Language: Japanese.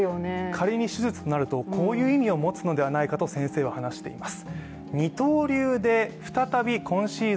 仮に手術となるとこういう意味になるのではないかと先生は話しています。